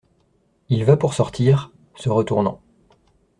Il va pour sortir… se retournant.